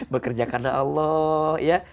bekerja karena allah